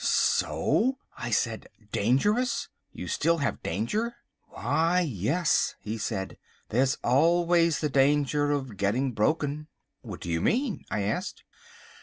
"So!" I said. "Dangerous! You still have danger?" "Why, yes," he said, "there's always the danger of getting broken." "What do you mean," I asked.